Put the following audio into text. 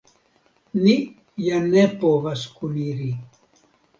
Ni ja ne povas kuniri.